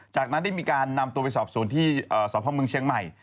จากนั้นได้มีการนำตัวไปสอบสวนที่สพเมืองเชียงใหม่